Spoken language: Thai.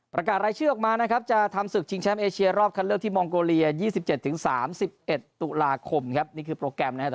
ประกาศรายชื่อออกมานะครับจะทำศึกชิงแชมป์เอเชียรอบคันเลือกที่มองโกเลีย๒๗๓๑ตุลาคมครับนี่คือโปรแกรมนะครับ